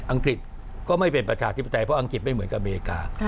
กฤษก็ไม่เป็นประชาธิปไตยเพราะอังกฤษไม่เหมือนกับอเมริกา